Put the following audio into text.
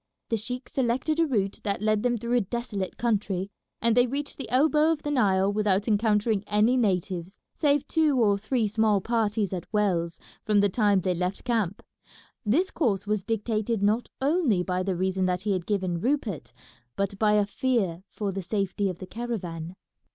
The sheik selected a route that led them through a desolate country, and they reached the elbow of the Nile without encountering any natives, save two or three small parties at wells, from the time they left camp. This course was dictated not only by the reason that he had given Rupert, but by a fear for the safety of the caravan.